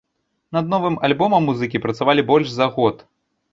Над новым альбомам музыкі працавалі больш за год.